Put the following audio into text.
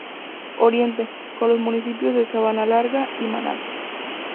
Oriente: con los municipios de Sabanalarga y Manatí.